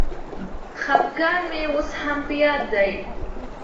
خپګان مي اوس هم په یاد دی.